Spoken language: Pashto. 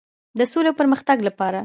د سولې او پرمختګ لپاره.